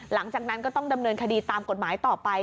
หลังจากนั้นก็ต้องดำเนินคดีตามกฎหมายต่อไป